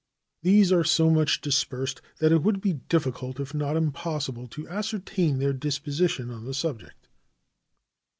These are so much dispersed that it would be difficult, if not impossible, to ascertain their disposition on the subject.